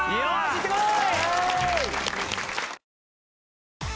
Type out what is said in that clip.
行ってこい！